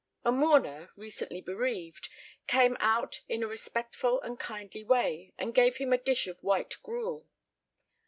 A mourner, recently bereaved, came out in a respectful and kindly way, and gave him a dish of white gruel.